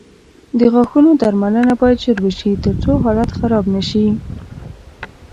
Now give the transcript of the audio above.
د غاښونو درملنه باید ژر وشي، ترڅو حالت خراب نه شي.